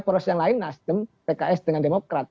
poros yang lain nasdem pks dengan demokrat